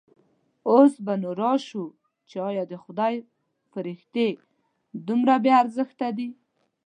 اوس به نو راشو چې ایا د خدای فرښتې دومره بې ارزښته دي.